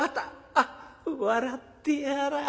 あっ笑ってやらぁ。